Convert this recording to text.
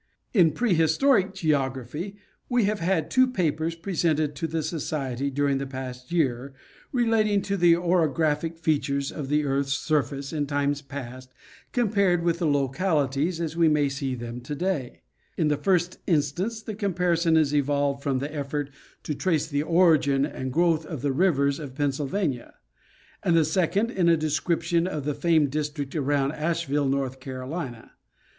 In pre historic geography we have had two papers presented to the Society during the past year, relating to the orographiec features of the earth's surface in times past compared with the localities as we may see them to day. In the first instance the — comparison is evolved from an effort to trace the origin and growth of the rivers of Pennsylvania; and the second, in a Geography of the Land. 47 description of the famed district around Asheville, North Caro lina.